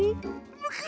むく！